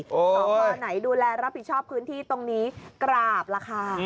เอ่ออ๋อมาไหนดูแลรับผิดชอบพื้นที่ตรงนี้กราบละค่ะ